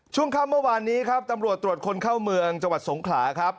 ช่วงค่ำเมื่อวานนี้ครับตำรวจตรวจคนเข้าเมืองจังหวัดสงขลาครับ